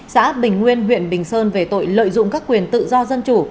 xã bình nguyên huyện bình sơn về tội lợi dụng các quyền tự do dân chủ